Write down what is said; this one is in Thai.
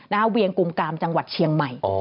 เวียงกุมกามจังหวัดเชียงใหม่